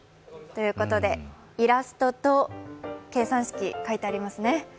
イラストと計算式、書いてありますね。